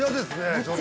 ちょっと。